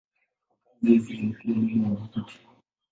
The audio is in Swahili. Kwa kazi hizi alikuwa baba wa wavuti.